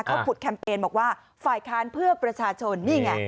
เขาผุดแคมเปญบอกว่าฝ่ายค้านเพื่อประชาชนนี่ไง